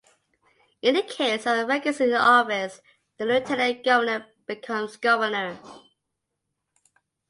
In the case of a vacancy in the office, the lieutenant governor becomes governor.